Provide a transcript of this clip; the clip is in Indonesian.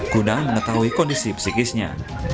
guna mengetahui kondisi psikisnya